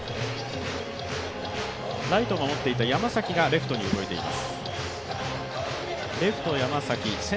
ライトを守っていた山崎がレフトに移っています。